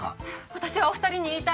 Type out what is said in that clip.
私はお二人に言いたい！